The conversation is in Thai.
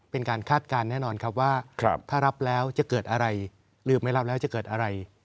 คาดการณ์แน่นอนครับว่าถ้ารับแล้วจะเกิดอะไรหรือไม่รับแล้วจะเกิดอะไร